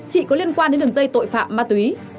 chị có liên quan đến đường dây tội phạm ma túy